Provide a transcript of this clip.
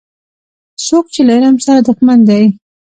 څوک چي له علم سره دښمن دی